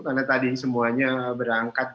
karena tadi semuanya berangkat